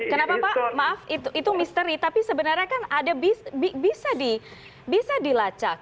kenapa pak maaf itu misteri tapi sebenarnya kan ada bisa dilacak